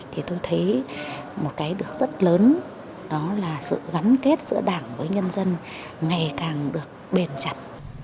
thì tôi thấy một cái được rất lớn đó là sự gắn kết giữa đảng với nhân dân ngày càng được bền chặt